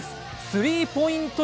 スリーポイント